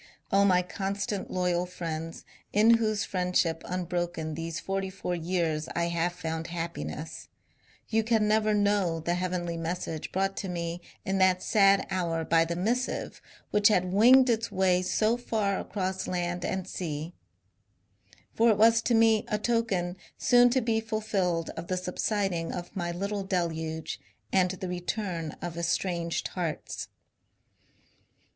O my constant, loyal friends, in whose friendship unbroken these forty four years I have found happiness, you can never know the heavenly message brought to me in that sad hour by the missive which had winged its way so far across land and sea I For it was to me a token soon to be fulfilled of the subsiding of my little deluge and the return of estranged hearts.